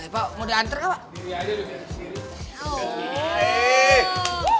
pak mau diantre gak pak